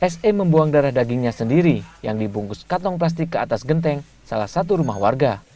se membuang darah dagingnya sendiri yang dibungkus kantong plastik ke atas genteng salah satu rumah warga